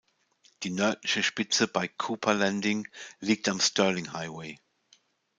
Die nördliche Spitze bei "Cooper Landing" liegt am Sterling Highway.